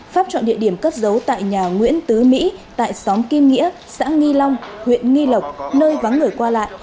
pháp chọn địa điểm cất giấu tại nhà nguyễn tứ mỹ tại xóm kim nghĩa xã nghi long huyện nghi lộc nơi vắng người qua lại